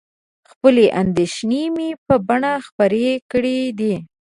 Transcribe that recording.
خپلې اندېښنې مې په بڼه خپرې کړي دي.